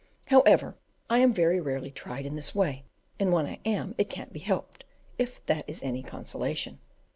However, I am very rarely tried in this way, and when I am it can't be helped, if that is any consolation.